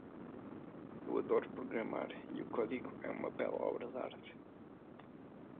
Eu adoro programar e o código é uma bela obra de arte.